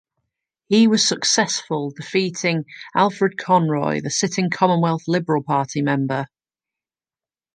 He was successful, defeating Alfred Conroy, the sitting Commonwealth Liberal Party member.